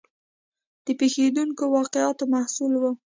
د پېښېدونکو واقعاتو محصول و.